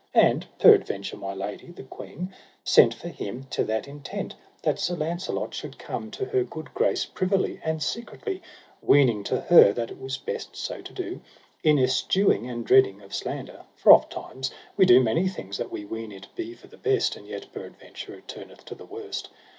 And peradventure my lady, the queen, sent for him to that intent that Sir Launcelot should come to her good grace privily and secretly, weening to her that it was best so to do, in eschewing and dreading of slander; for ofttimes we do many things that we ween it be for the best, and yet peradventure it turneth to the worst.